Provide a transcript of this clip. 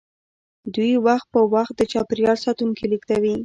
دوی وخت په وخت د چاپیریال ساتونکي لیږدوي